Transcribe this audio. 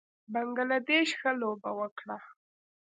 بنګله دېش ښه لوبه وکړه